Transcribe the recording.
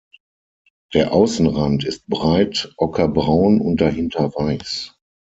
Der Außenrand ist breit ockerbraun und dahinter weiß.